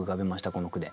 この句で。